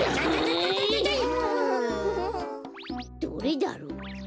どれだろう？